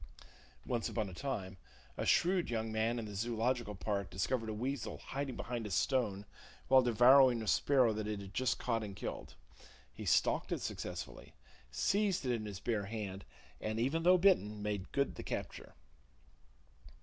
(Once upon a time, a shrewd young man in the Zoological Park discovered a weasel hiding behind a stone while devouring a sparrow that it had just caught and killed. He stalked it successfully, seized it in his bare hand, and, even though bitten, made good the capture.)